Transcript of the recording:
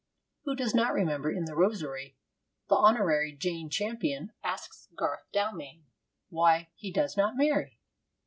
Who does not remember how, in The Rosary, the Hon. Jane Champion asks Garth Dalmain why he does not marry?